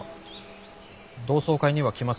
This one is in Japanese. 同窓会には来ませんでした。